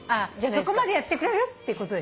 そこまでやってくれる？ってことでしょ？